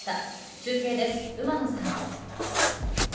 中継です、馬野さん。